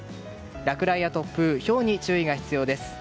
落雷や突風、ひょうに注意が必要です。